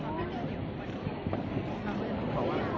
เวลาแรกพี่เห็นแวว